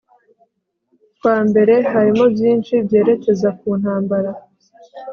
kwa mbere harimo byinshi byerekeza ku ntambara